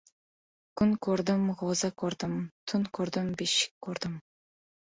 «Kun ko‘rdim — g‘o‘za ko‘rdim». «Tun ko‘rdim — beshik ko‘rdim».